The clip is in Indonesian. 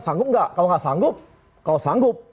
sanggup gak kalau gak sanggup kalau sanggup